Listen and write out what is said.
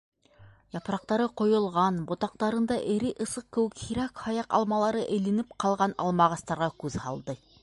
Япраҡтары ҡойолған, ботаҡтарында эре ысыҡ кеүек һирәк-һаяҡ алмалары эленеп ҡалған алмағастарға күҙ һалды.